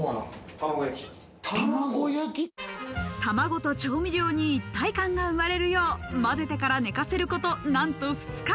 卵と調味料に一体感が生まれるよう、まぜてから寝かせること、なんと２日。